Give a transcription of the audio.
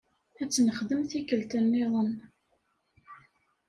Ad tt-nexdem tikkelt nniḍen.